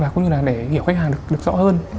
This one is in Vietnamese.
cũng như là để hiểu khách hàng được rõ hơn